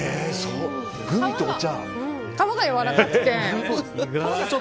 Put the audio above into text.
皮がやわらかくて。